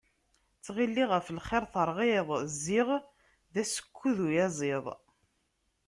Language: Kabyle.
Ttɣilliɣ ɣef lxir terɣiḍ, ziɣ d asekkud uyaziḍ.